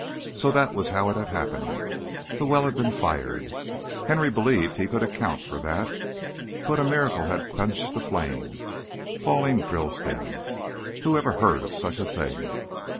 So, that was how it had happened. The well had been fired Henry believed he could account for that but a miracle had quenched the flame. Falling drill stems! Who ever heard of such a thing?